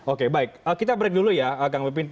oke baik kita break dulu ya kang pipin